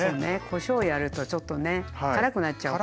こしょうやるとちょっとね辛くなっちゃうから。